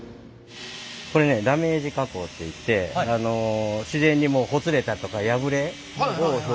これダメージ加工っていって自然にほつれたりとか破れを表現してる。